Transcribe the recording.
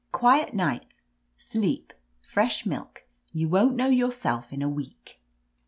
Quiet nights, sleep, fresh milk — you won't know yourself in a week."